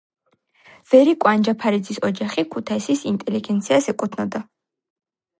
ვერიკო ანჯაფარიძის ოჯახი ქუთაისის ინტელიგენციას ეკუთვნოდა.